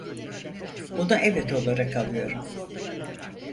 Bunu evet olarak alıyorum.